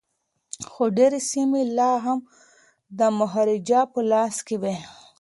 خو ډیري سیمي لا هم د مهاراجا په لاس کي وې.